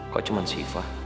kok cuman syifa